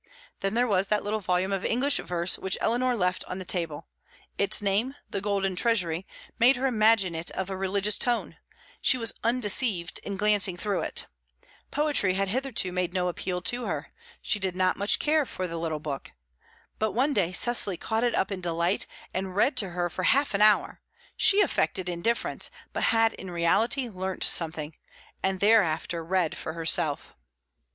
Then there was that little volume of English verse which Eleanor left on the table; its name, "The Golden Treasury," made her imagine it of a religious tone; she was undeceived in glancing through it. Poetry had hitherto made no appeal to her; she did not care much for the little book. But one day Cecily caught it up in delight, and read to her for half an hour; she affected indifference, but had in reality learnt something, and thereafter read for herself.